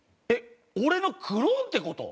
えっ俺のクローンって事？